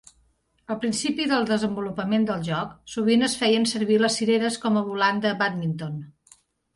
Al principi del desenvolupament del joc, sovint es feien servir les cireres com a volant de bàdminton.